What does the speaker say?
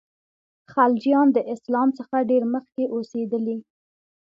خلجیان د اسلام څخه ډېر مخکي اوسېدلي.